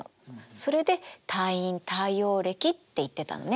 それで太陰太陽暦っていってたのね。